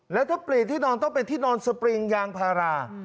แล้วถ้าเปลี่ยนที่นอนต้องเป็นที่นอนสปริงยางพารา